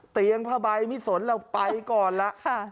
เตียงผ้าใบไม่สนแล้วไปก่อนล่ะ